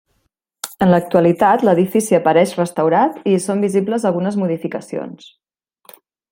En l'actualitat l'edifici apareix restaurat, i hi són visibles algunes modificacions.